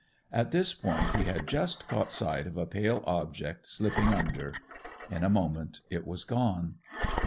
At this point he had just caught sight of a pale object slipping under. In a moment it was gone.